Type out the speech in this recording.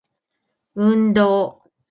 運動